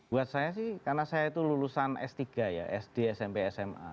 buat saya sih karena saya itu lulusan s tiga ya sd smp sma